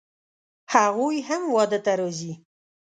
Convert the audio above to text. هغوی هم واده ته راځي